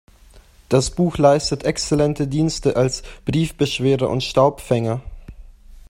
Das Buch leistet exzellente Dienste als Briefbeschwerer und Staubfänger.